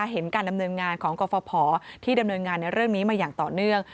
เห็นการดำเนินงานของกรฟภที่ดำเนินงานในเรื่องนี้มาอย่างต่อเนื่อง